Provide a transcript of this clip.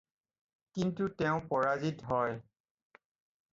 কিন্তু তেওঁ পৰাজিত হয়।